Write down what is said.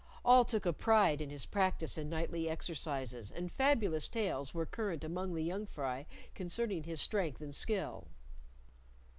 All took a pride in his practice in knightly exercises, and fabulous tales were current among the young fry concerning his strength and skill.